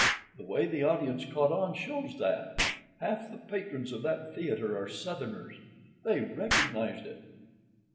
The way the audience caught on shows that. Half the patrons of that theater are Southerners. They recognized it."